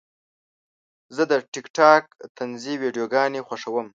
زه د ټک ټاک طنزي ویډیوګانې خوښوم.